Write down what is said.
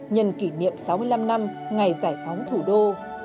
nhằn kỉ niệm sáu mươi năm năm ngày giải phóng thủ đô